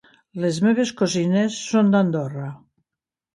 Les meves cosines són d'Andorra.